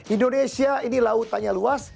indonesia ini lautannya luas